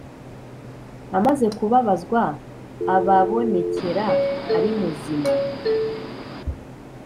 Amaze kubabazwa ababonekera ari muzima